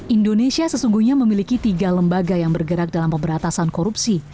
indonesia sesungguhnya memiliki tiga lembaga yang bergerak dalam pemberantasan korupsi